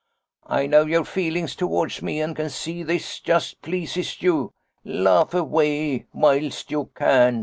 ' I know your feelings towards me, and can see this just pleases you. Laugh away whilst you can.